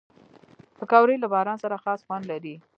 پکورې له باران سره خاص خوند لري